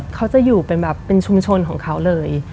เขาจะอยู่เป็นชุมชนของเขาเลย